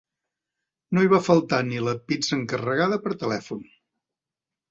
No hi va faltar ni la pizza encarregada per telèfon.